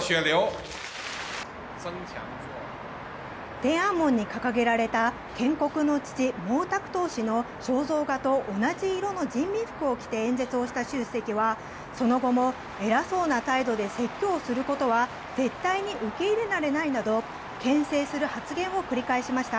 天安門に掲げられた建国の父、毛沢東氏の肖像画と同じ色の人民服を着て演説をした習主席は、その後も偉そうな態度で説教することは絶対に受け入れられないなどけん制する発言を繰り返しました。